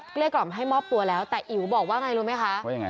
เกลียดกล่อมให้มอบตัวแล้วแต่อิ๋วบอกว่าไงรู้ไหมคะ